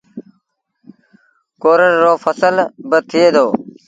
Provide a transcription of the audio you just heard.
ڪورڙ رو ڦسل با ٿئي دو